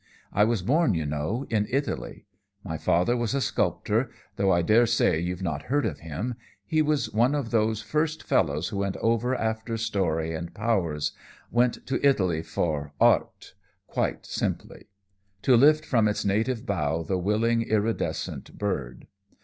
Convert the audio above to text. "I was born, you know, in Italy. My father was a sculptor, though I dare say you've not heard of him. He was one of those first fellows who went over after Story and Powers, went to Italy for 'Art,' quite simply; to lift from its native bough the willing, iridescent bird.